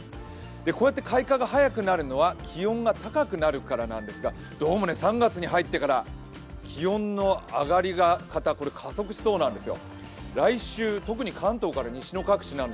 こうやって開花が早くなるのは気温が高くなるからなんですが、どうも３月に入ってから気温の上がりが加速しそうなんです。